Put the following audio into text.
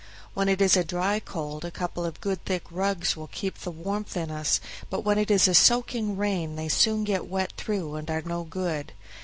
When it is a dry cold a couple of good thick rugs will keep the warmth in us; but when it is soaking rain they soon get wet through and are no good.